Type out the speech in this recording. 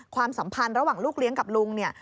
ความสัมพันธ์ระหว่างลูกเลี้ยงกับลุงเนี่ย